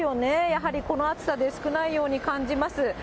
やはりこの暑さで少ないように感じます。